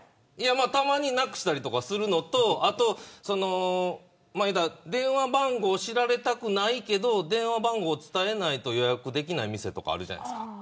たまになくしたりとかするのと電話番号を知られたくないけど電話番号を伝えないと予約できない店とかあるじゃないですか。